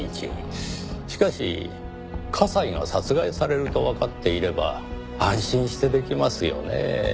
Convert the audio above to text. しかし加西が殺害されるとわかっていれば安心してできますよねぇ。